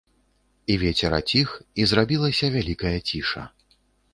І вецер аціх, і зрабілася вялікая ціша.